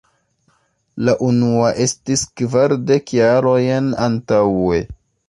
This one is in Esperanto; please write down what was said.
La unua estis kvardek jarojn antaŭe!